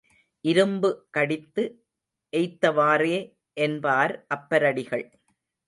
இரும்பு கடித்து எய்த்தவாறே என்பார் அப்பரடிகள்.